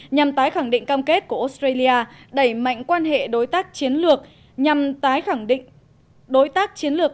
nhằm tái khẳng định cam kết của australia đẩy mạnh quan hệ đối tác chiến lược